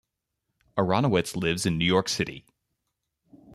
Aronowitz lives in New York City.